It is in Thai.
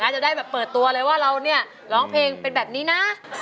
จะได้แบบเปิดตัวเลยว่าเราเนี่ยร้องเพลงเป็นแบบนี้นะ